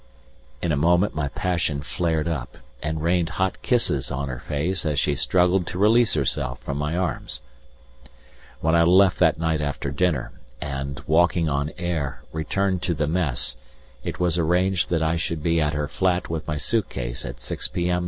In a moment my passion flared up, and rained hot kisses on her face as she struggled to release herself from my arms. When I left that night after dinner, and, walking on air, returned to the Mess, it was arranged that I should be at her flat with my suit case at 6 p.m.